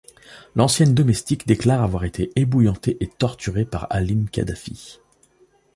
L'ancienne domestique déclare avoir été ébouillantée et torturée par Aline Kadhafi.